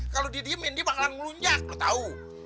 kalau didiemin dia bakalan ngelunjak lo tau